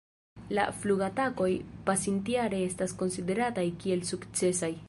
La flugatakoj pasintjare estas konsiderataj kiel sukcesaj.